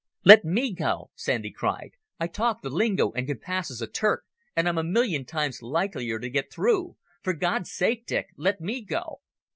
"Let me go," Sandy cried. "I talk the lingo, and can pass as a Turk, and I'm a million times likelier to get through. For God's sake, Dick, let me go."